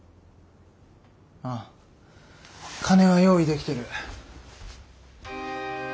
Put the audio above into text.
ああ金は用意できてる。